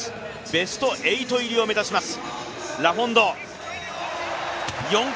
ベスト８入りを目指します。